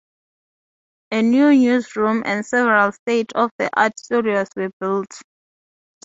A new newsroom and several state-of-the-art studios were built.